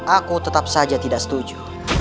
aku tetap saja tidak setuju